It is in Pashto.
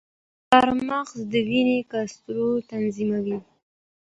چارمغز د وینې کلسترول تنظیموي.